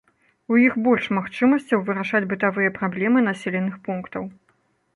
У іх больш магчымасцяў вырашаць бытавыя праблемы населеных пунктаў.